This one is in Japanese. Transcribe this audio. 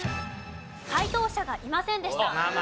解答者がいませんでした。